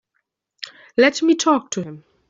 Let me talk to him.